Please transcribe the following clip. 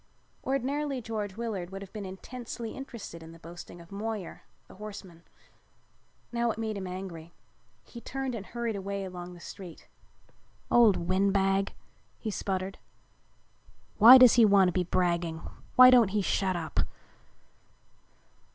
Ordinarily George Willard would have been intensely interested in the boasting of Moyer, the horseman. Now it made him angry. He turned and hurried away along the street. "Old windbag," he sputtered. "Why does he want to be bragging? Why don't he shut up?"